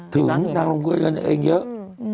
ถึงดังลงทุนเองเยอะ